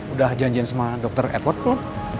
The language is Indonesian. udah janjin sama dr edward pak